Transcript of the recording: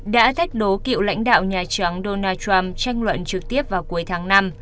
đã thách đố cựu lãnh đạo nhà trắng donald trump tranh luận trực tiếp vào cuối tháng năm